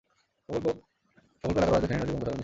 প্রকল্প এলাকার পাশ দিয়ে ফেনী নদী বঙ্গোপসাগরে মিশেছে।